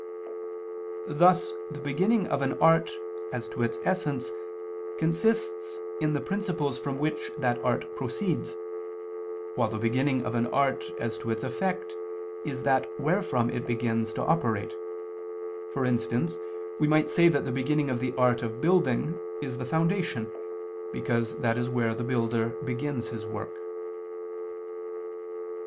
Thus the beginning of an art as to its essence consists in the principles from which that art proceeds, while the beginning of an art as to its effect is that wherefrom it begins to operate: for instance we might say that the beginning of the art of building is the foundation because that is where the builder begins his work.